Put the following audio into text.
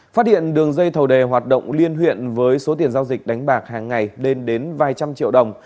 phát hiện đường dây thầu đề hoạt động liên huyện với số tiền giao dịch đánh bạc hàng ngày đến đến vài trăm triệu đồng